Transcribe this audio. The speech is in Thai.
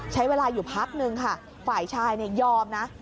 ใช้เวลาอยู่พักนึงค่ะฝ่ายชายยอมนะ